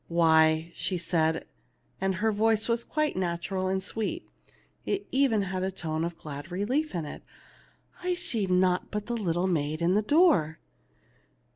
" Why," she said, and her voice was quite natural and sweet, it had even a tone of glad relief in it, "I see naught but a little maid in the door."